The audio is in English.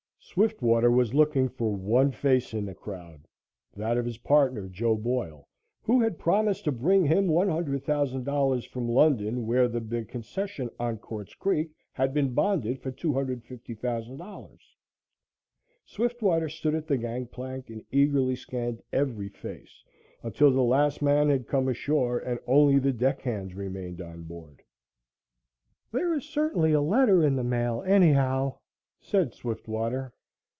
Swiftwater was looking for one face in the crowd that of his partner, Joe Boyle, who had promised to bring him $100,000 from London, where the big concession on Quartz Creek had been bonded for $250,000. Swiftwater stood at the gang plank and eagerly scanned every face until the last man had come ashore and only the deck hands remained on board. "There is certainly a letter in the mail, anyhow," said Swiftwater.